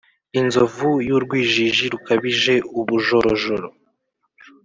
Inzovu y'urwijiji rukabije ubujorojoro